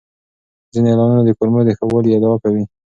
ځینې اعلانونه د کولمو د ښه والي ادعا کوي.